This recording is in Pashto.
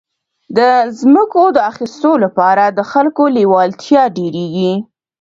د ځمکو د اخیستو لپاره د خلکو لېوالتیا ډېرېږي.